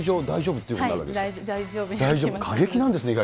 大丈夫なんです。